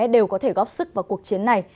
đều có thể góp sức vào cuộc chiến này